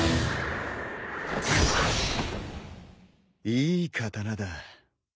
いい刀だ。